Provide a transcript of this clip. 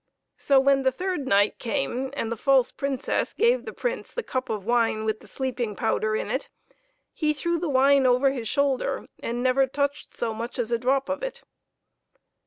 So when the third night came, and the false Princess gave the Prince the cup of wine with the sleeping powder in it, he threw the wine over his shoulder, and never touched so much as a drop of it.